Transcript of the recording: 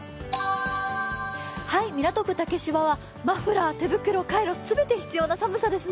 港区竹芝はマフラー、手袋、カイロ、全て必要な寒さですね。